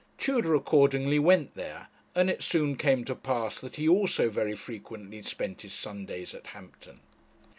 Tudor accordingly went there, and it soon came to pass that he also very frequently spent his Sundays at Hampton.